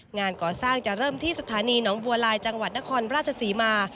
งานก่อสร้างจะเริ่มที่สถานีหนองบัวลายจังหวัดนครราชศรีมา